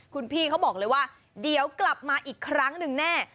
คุณพี่เขาบอกเลยว่าเดี๋ยวกลับมาอีกครั้งหนึ่งแน่